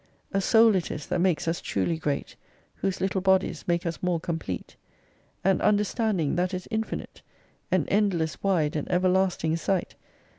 A Soul it is that makes us truly great, Whose little bodies make us more complete. An understanding that is infinite, An endless, wide, and everlasting sight.